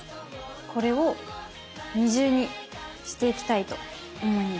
これを２重にしていきたいと思います。